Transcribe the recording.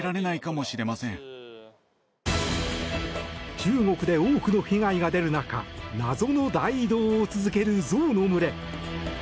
中国で多くの被害が出る中謎の大移動を続けるゾウの群れ。